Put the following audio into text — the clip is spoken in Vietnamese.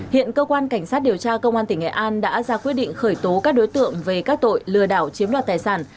hiện cơ quan cảnh sát điều tra công an tỉnh nghệ an đã ra quyết định khởi tố các đối tượng về các tội lừa đảo chiếm đoạt tài sản